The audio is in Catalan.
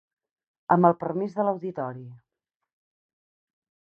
Amb permís de l'auditori.